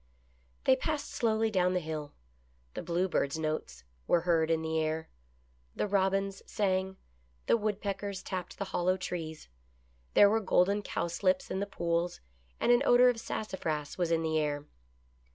They passed slowly down the hill. The bluebirds' notes were heard in the air. The robins sang. The woodpeckers tapped the hollow trees. There were golden cowslips in the pools, and an odor of sassafras was in the air.